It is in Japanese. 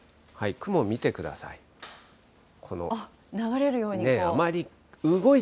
雲見てください。